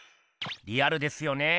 リアルですよねえ。